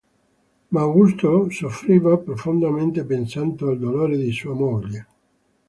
Ma Augusto soffriva profondamente pensando al dolore di sua moglie.